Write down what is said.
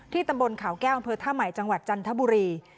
ตำบลขาวแก้วอำเภอท่าใหม่จังหวัดจันทบุรี